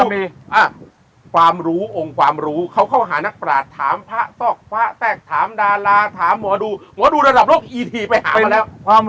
มีความรู้องค์ความรู้เขาเข้าหานักปราศถามพระซอกพระแทรกถามดาราถามหมอดูหมอดูระดับโลกอีทีไปหาไปแล้ว